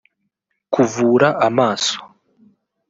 kuvura amaso